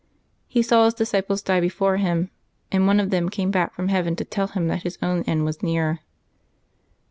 He saw his disciples die before him, and one of them came back from heaven to tell him that his own end was near.